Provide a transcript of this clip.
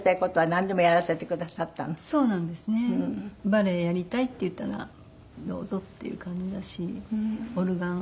「バレエやりたい」って言ったら「どうぞ」っていう感じだしオルガン